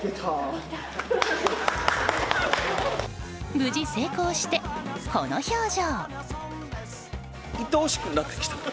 無事、成功してこの表情。